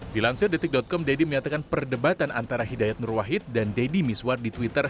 dilansir detik com deddy menyatakan perdebatan antara hidayat nurwahid dan deddy miswar di twitter